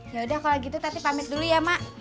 ya udah kalau gitu tapi pamit dulu ya mak